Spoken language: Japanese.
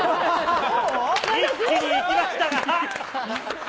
一気にいきましたが。